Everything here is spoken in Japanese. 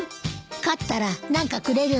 勝ったら何かくれるの？